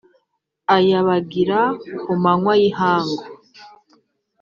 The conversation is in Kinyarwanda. aya bagira ku manywa y’ihangu